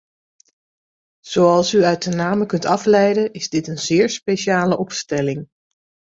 Zoals u uit de namen kunt afleiden, is dit een zeer speciale opstelling.